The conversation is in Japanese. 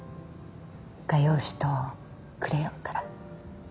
画用紙とクレヨンから。